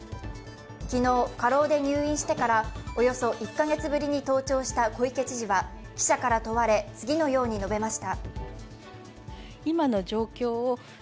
昨日、過労で入院してからおよそ１カ月ぶりに登庁した小池都知事は記者から問われ、次のように述べました。